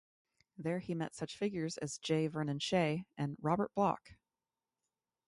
There he met such figures as J. Vernon Shea and Robert Bloch.